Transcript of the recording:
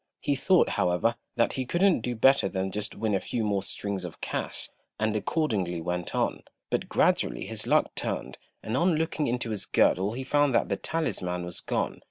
He thought, however, that he couldn't do better than just win a few more strings of cash, and accordingly went on; but gradually his luck turned, and on looking into his girdle he found that the talisman was gone.